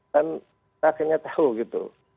kan akhirnya tahu gitu